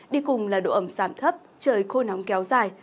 đi cùng là độ ẩm giảm thấp trời khô nóng kéo dài